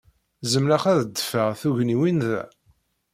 Zemreɣ ad d-ḍḍfeɣ tugniwin da?